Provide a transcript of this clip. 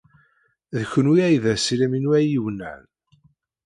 D kenwi ay d assirem-inu ayiwnan.